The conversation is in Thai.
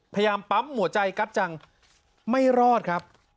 พยายามปั๊มหัวใจกั๊บจังไม่รอดครับ